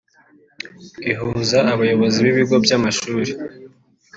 ihuza abayobozi b’ibigo by’amashuri